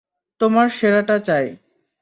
তোমার সেরাটা চাই।